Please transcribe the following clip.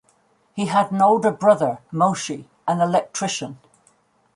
He had an older brother, Moshe, an electrician.